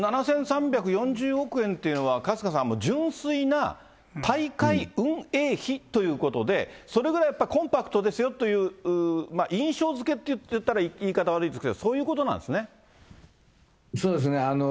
だから、７３４０億円っていうのは、春日さん、純粋な大会運営費ということで、それぐらいやっぱコンパクトですよというか、印象づけと言ったら言い方悪いですけれども、そういうことなんでそうですね。